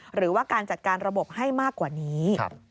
หรือว่าการจัดการระบบให้มากกว่านี้